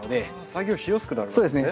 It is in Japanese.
作業しやすくなるんですね。